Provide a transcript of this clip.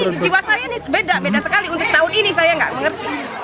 ini jiwa saya ini beda beda sekali untuk tahun ini saya nggak mengerti